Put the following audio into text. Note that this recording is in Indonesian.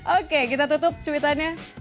oke kita tutup cuitannya